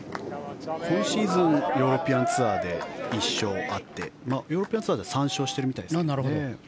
今シーズンヨーロピアンツアーで１勝あってヨーロピアンツアーで３勝してるみたいですね。